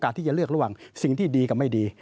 ที่จะเลือกระหว่างสิ่งที่ดีกับไม่ดี